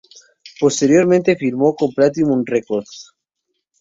Posteriormente, firmó con Platinum Records.